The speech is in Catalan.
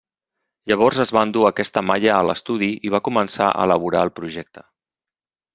Llavors es va endur aquesta malla a l'estudi i va començar a elaborar el projecte.